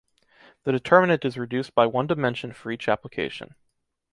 The determinant is reduced by one dimension for each application.